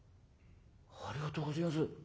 「ありがとうごぜえやす。